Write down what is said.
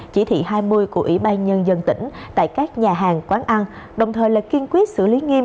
chỉ thị hai mươi của ủy ban nhân dân tỉnh tại các nhà hàng quán ăn đồng thời là kiên quyết xử lý nghiêm